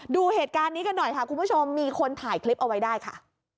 ดูเหตุการณ์นี้กันหน่อยค่ะคุณผู้ชมมีคนถ่ายคลิปเอาไว้ได้ค่ะ